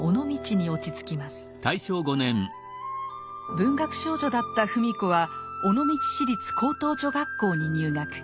文学少女だった芙美子は尾道市立高等女学校に入学。